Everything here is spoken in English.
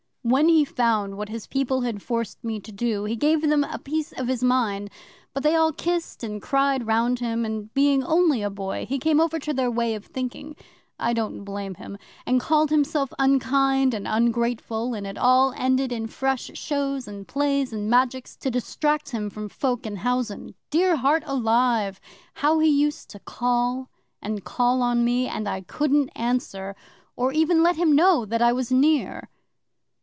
'When he found what his people had forced me to do, he gave them a piece of his mind, but they all kissed and cried round him, and being only a boy, he came over to their way of thinking (I don't blame him), and called himself unkind and ungrateful; and it all ended in fresh shows and plays, and magics to distract him from folk in housen. Dear heart alive! How he used to call and call on me, and I couldn't answer, or even let him know that I was near!